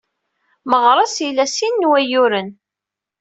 Meɣres ila sin n wayyuren.